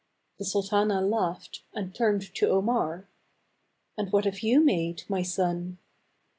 The sultana laughed and turned to Omar. " And what have you made, my son